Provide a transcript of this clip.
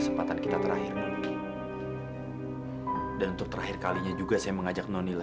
sampai jumpa di video selanjutnya